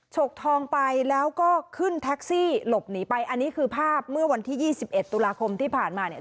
ฉกทองไปแล้วก็ขึ้นแท็กซี่หลบหนีไปอันนี้คือภาพเมื่อวันที่๒๑ตุลาคมที่ผ่านมาเนี่ย